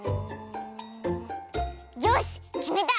よしきめた！